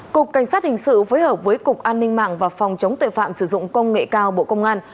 cục cảnh sát hình sự phối hợp với cục an ninh mạng và phòng chống tội phạm sử dụng công nghệ cao bộ công an